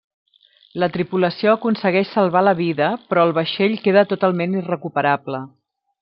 La tripulació aconsegueix salvar la vida, però el vaixell queda totalment irrecuperable.